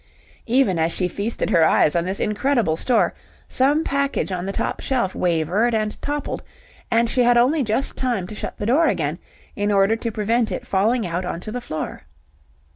Even as she feasted her eyes on this incredible store, some package on the top shelf wavered and toppled, and she had only just time to shut the door again, in order to prevent it falling out on to the floor.